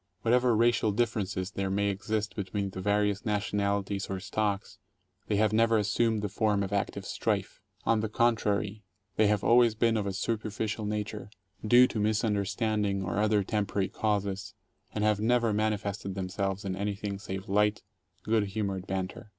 What ever racial differences there may exist between the various national ities or stocks, they have never assumed the form of active strife. On the contrary, they have always been of a superficial nature, due to misunderstanding or other temporary causes, and have never manifested themselves in anything save light, good humored banter.